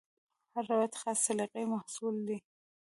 هر روایت خاصې سلیقې محصول دی.